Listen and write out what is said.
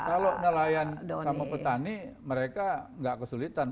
kalau nelayan sama petani mereka nggak kesulitan